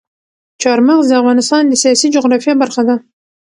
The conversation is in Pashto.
چار مغز د افغانستان د سیاسي جغرافیه برخه ده.